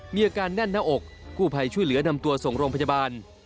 มีอาการแน่นหน้าอกกู้ภัยช่วยเหลือนำตัวส่งโรงพยาบาล